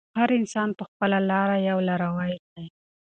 هر انسان په خپله لاره یو لاروی دی.